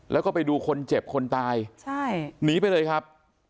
แล้วก็ไปดูคนเจ็บคนตายใช่หนีไปเลยครับ